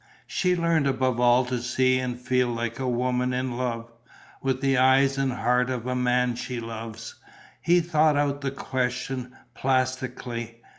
She learnt above all to see and feel like a woman in love, with the eyes and heart of the man she loves; he thought out the question plastically.